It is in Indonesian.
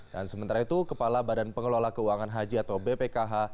dan sementara itu kepala badan pengelola keuangan haji atau bpkh